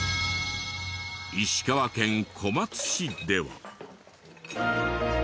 石川県小松市では。